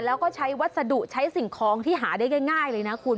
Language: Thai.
แล้วก็ใช้วัสดุใช้สิ่งของที่หาได้ง่ายเลยนะคุณ